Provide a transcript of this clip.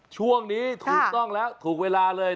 ช่วงนี้ถูกต้องแล้วถูกเวลาเลย